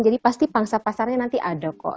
jadi pasti pangsa pasarnya nanti ada kok